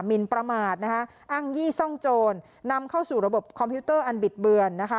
มินประมาทนะคะอ้างยี่ซ่องโจรนำเข้าสู่ระบบคอมพิวเตอร์อันบิดเบือนนะคะ